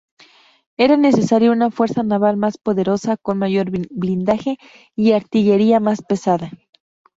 Era necesaria una fuerza naval más poderosa, con mayor blindaje y artillería más pesada.